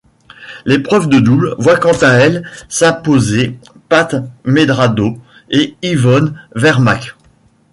L'épreuve de double voit quant à elle s'imposer Pat Medrado et Yvonne Vermaak.